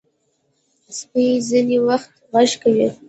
سپي ځینې وخت غږ کوي.